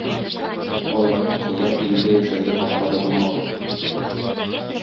Аларның коллар илендә яшәргә хаклары булмаган.